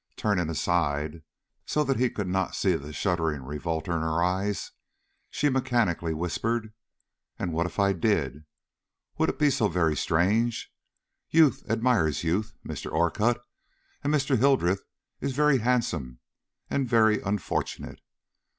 Turning aside, so that he should not see the shuddering revolt in her eyes, she mechanically whispered: "And what if I did? Would it be so very strange? Youth admires youth, Mr. Orcutt, and Mr. Hildreth is very handsome and very unfortunate.